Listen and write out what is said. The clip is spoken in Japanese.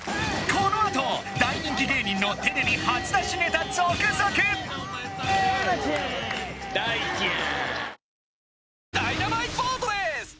このあと大人気芸人のテレビ初出しネタ続々今ちゃん大ちゃん